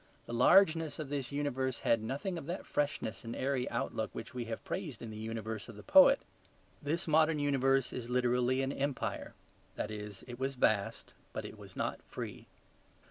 The largeness of this universe had nothing of that freshness and airy outbreak which we have praised in the universe of the poet. This modern universe is literally an empire; that is, it was vast, but it is not free.